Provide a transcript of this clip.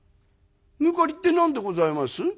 「抜かりって何でございます？」。